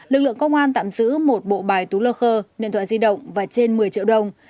lực lượng công an tạm giữ một bộ bài tú lơ khơ điện thoại di động và trên một mươi triệu đồng